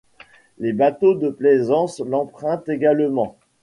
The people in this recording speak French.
Les bateaux de plaisance l'empruntent également.